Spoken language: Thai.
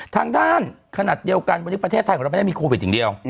ทางด้านขนาดเดียวกันวันนี้ประเทศไทยของเราไม่ได้มีโควิดอย่างเดียว